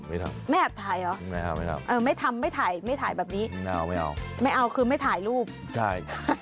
ไม่แอบถ่ายหรอไม่ทำไม่ถ่ายไม่ถ่ายแบบนี้ไม่เอาคือไม่ถ่ายรูปใช่